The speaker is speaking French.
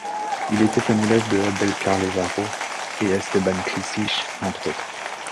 Il était un élève de Abel Carlevaro et Esteban Klisich, entre autres.